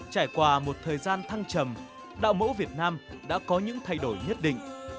trải qua một thời gian thăng trầm đạo mẫu việt nam đã có những thay đổi nhất định